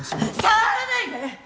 触らないで！